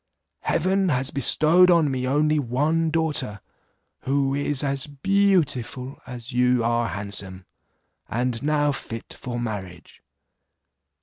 Heaven has bestowed on me only one daughter, who is as beautiful as you are handsome, and now fit for marriage.